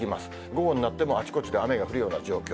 午後になってもあちこちで雨が降るような状況。